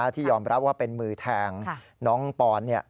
ที่ยอมรับว่าเป็นมือแทงน้องปอน